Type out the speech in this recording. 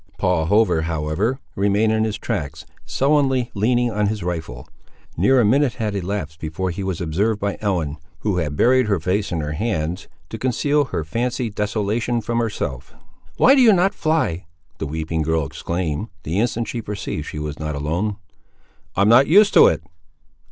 Paul Hover, however, remained in his tracks, sullenly leaning on his rifle. Near a minute had elapsed before he was observed by Ellen, who had buried her face in her hands, to conceal her fancied desolation from herself. "Why do you not fly?" the weeping girl exclaimed, the instant she perceived she was not alone. "I'm not used to it."